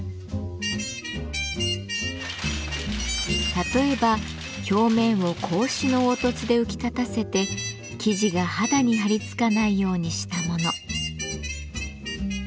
例えば表面を格子の凹凸で浮き立たせて生地が肌にはりつかないようにしたもの。